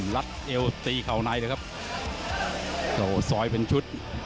รัดเอวตีเข่าในเลยครับโอ้โหซอยเป็นชุด